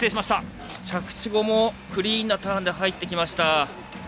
着地後もクリーンなターンで入ってきました。